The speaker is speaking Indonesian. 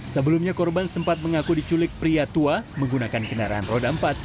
sebelumnya korban sempat mengaku diculik pria tua menggunakan kendaraan roda empat